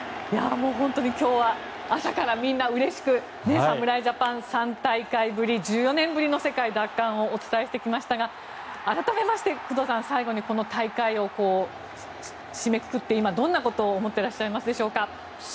今日は朝からみんなうれしく侍ジャパン３大会ぶり１４年ぶりの世界一奪還をお伝えしてきましたが改めまして工藤さん最後にこの大会を締めくくって今どんなことを思っていますか。